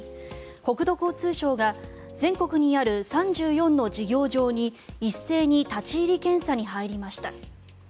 国土交通省が全国にある３４の事業場に一斉に立ち入り検査に入りました。